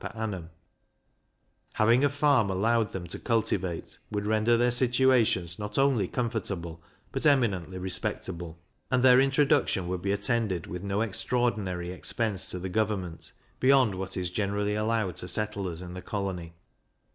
per annum; having a farm allowed them to cultivate, would render their situations not only comfortable, but eminently respectable; and their introduction would be attended with no extraordinary expense to government, beyond what is generally allowed to settlers in the colony.